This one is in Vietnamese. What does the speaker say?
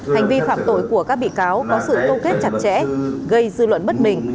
hành vi phạm tội của các bị cáo có sự câu kết chặt chẽ gây dư luận bất bình